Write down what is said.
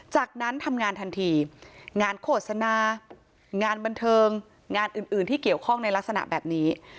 จากนั้นทำงานทันทีงานโฆษณางานบันเทิงงานอื่นที่เกี่ยวข้องในลักษณะแบบนี้